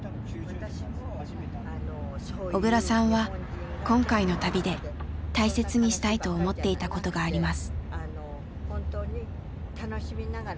小倉さんは今回の旅で大切にしたいと思っていたことがあります。